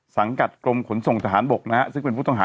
สังกัดกรมขนส่งทหารบกนะฮะซึ่งเป็นผู้ต้องหา